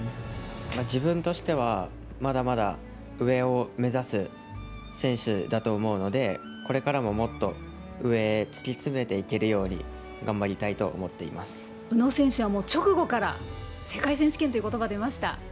自分としては、まだまだ上を目指す選手だと思うので、これからももっと上を突き詰めていけるように頑張りたいと思って宇野選手は直後から、世界選手権ということば、出ました。